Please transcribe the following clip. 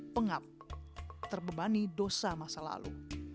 pengap terbebani dosa masa lalu